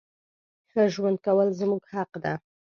ښه ژوند کول زمونږ حق ده.